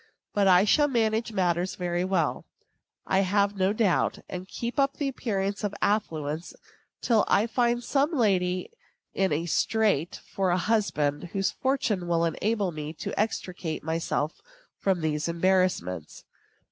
But I shall manage matters very well, I have no doubt, and keep up the appearance of affluence till I find some lady in a strait for a husband whose fortune will enable me to extricate myself from these embarrassments.